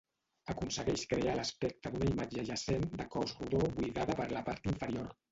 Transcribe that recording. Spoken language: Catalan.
Aconsegueix crear l'aspecte d'una imatge jacent de cos rodó buidada per la part inferior.